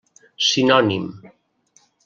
Sinònim: